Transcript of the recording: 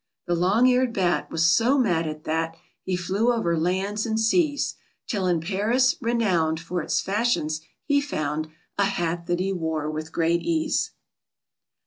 The long eared bat Was so mad at that He flew over lands and seas, Till in Paris (renowned For its fashions) he found A hat that he wore with great ease.